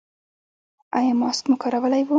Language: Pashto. ایا ماسک مو کارولی و؟